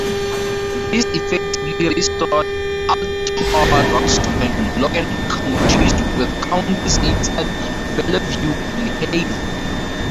This effectively restored Alturas and Logan counties with county seats at Bellevue and Hailey.